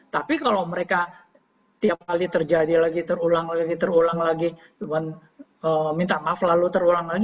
tapi kalau mereka tiap kali terjadi lagi terulang lagi terulang lagi cuma minta maaf lalu terulang lagi